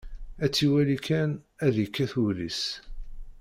Ad tt-iwali kan, ad yekkat wul-is.